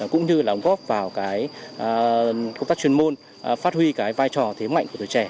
cũng như là góp vào công tác chuyên môn phát huy vai trò thế mạnh của đứa trẻ